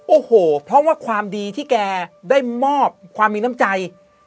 โอ้โหเพราะว่าความดีที่แกได้มอบความมีน้ำใจ